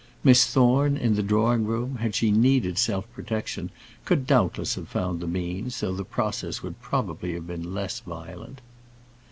Miss Thorne, in the drawing room, had she needed self protection, could doubtless have found the means, though the process would probably have been less violent.